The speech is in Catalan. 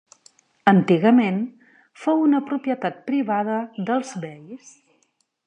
Antigament, fou una propietat privada dels beis.